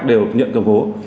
đều nhận cầm cố